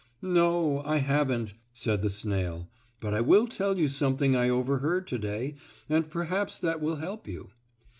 "No, I haven't," said the snail. "But I will tell you something I overheard to day and perhaps that will help you.